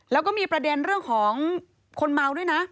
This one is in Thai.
แล้วก็มีประเด็นเรื่องของคนเมาด้วยนะ